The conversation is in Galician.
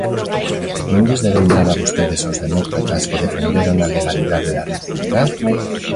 ¿Non lles deben nada vostedes aos demócratas que defenderon a legalidade da República?